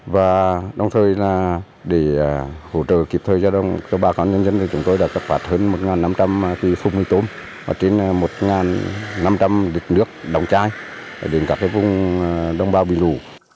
và đồng thời là để hỗ trợ kịp thời cho ba con nhân dân thì chúng tôi đã tập phạt hơn một năm trăm linh thị xung minh tôm và trên một năm trăm linh lịch nước đồng chai đến các vùng đông bao bị lù